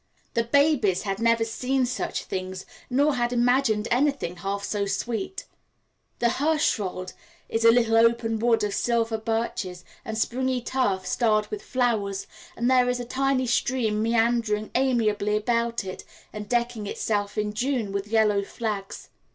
The babies had never seen such things nor had imagined anything half so sweet. The Hirschwald is a little open wood of silver birches and springy turf starred with flowers, and there is a tiny stream meandering amiably about it and decking itself in June with yellow flags.